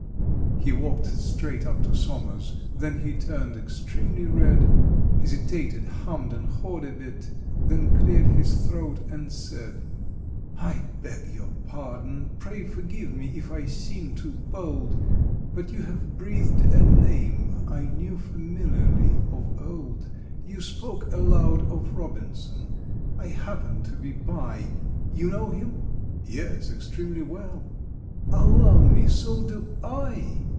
He walked straight up to SOMERS, then he turned extremely red, Hesitated, hummed and hawed a bit, then cleared his throat, and said: "I beg your pardon—pray forgive me if I seem too bold, But you have breathed a name I knew familiarly of old. You spoke aloud of ROBINSON—I happened to be by. You know him?" "Yes, extremely well." "Allow me, so do I."